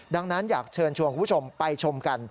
ดังนั้นอยากเชิญชวนคุณผู้ชมไปชมกัน